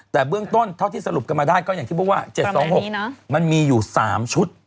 แต่เบื้องต้นเท่าที่สรุปกันมาได้ก็อย่างที่บอกว่า๗๒๖มันมีอยู่๓ชุด